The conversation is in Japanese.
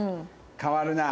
変わるな。